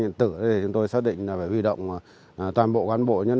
chúng tôi sẵn sàng tham gia hệ thống cấp quản thống